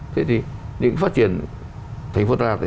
thế thì những phát triển thành phố đà lạt